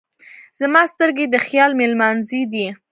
زما سترګې یې د خیال مېلمانځی دی.